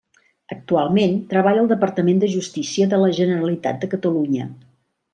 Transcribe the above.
Actualment treballa al Departament de Justícia de la Generalitat de Catalunya.